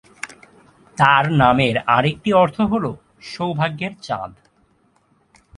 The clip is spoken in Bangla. তাঁর নামের আর একটি অর্থ হল সৌভাগ্যের চাঁদ।